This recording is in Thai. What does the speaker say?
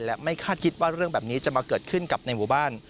และไม่คาดคิดว่าเรื่องแบบนี้จะมาเกิดขึ้นกับในหมู่บ้าน